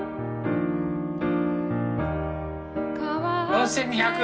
４，２００！